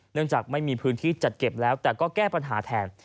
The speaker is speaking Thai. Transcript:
จากไม่มีพื้นที่จัดเก็บแล้วแต่ก็แก้ปัญหาแทน